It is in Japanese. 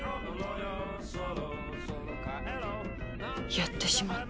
やってしまった。